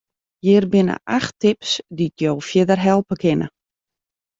Hjir binne acht tips dy't jo fierder helpe kinne.